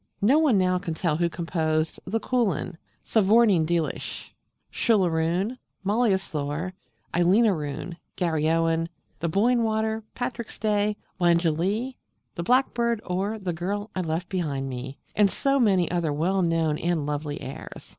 No one now can tell who composed "The Coolin," "Savourneen Dheelish," "Shule Aroon," "Molly Asthore," "Eileen Aroon," "Garryowen," "The Boyne Water," "Patrick's Day," "Langolee," "The Blackbird," or "The Girl I left behind me"; and so of many other well known and lovely airs.